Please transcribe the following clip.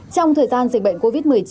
trong thời gian dịch bệnh covid một mươi chín